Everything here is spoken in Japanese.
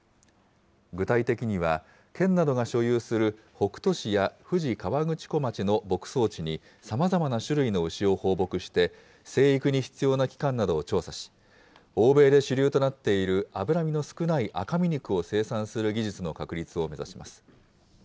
具体的には、県などが所有する北杜市や富士河口湖町の牧草地に、さまざまな種類の牛を放牧して、成育に必要な期間などを調査し、欧米で主流となっている脂身の少ない赤身肉を生産する技術の確立を目指します。